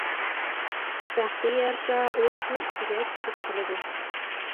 بەختىگە يارىشا ئۇ سۇ ئۈستىگە چۈشۈپ قالىدۇ.